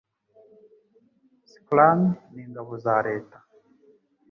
Schramme n'Ingabo za Leta